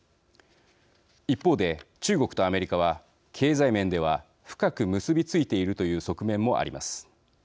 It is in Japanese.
一方で、中国とアメリカは経済面では深く結び付いているという側面もあります。